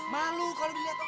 malu kalau dilihat tau